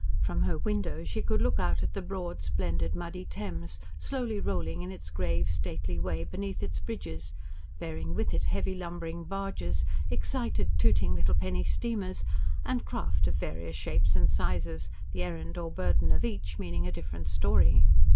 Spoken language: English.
From her windows she could look out at the broad splendid, muddy Thames, slowly rolling in its grave, stately way beneath its bridges, bearing with it heavy lumbering barges, excited tooting little penny steamers and craft of various shapes and sizes, the errand or burden of each meaning a different story.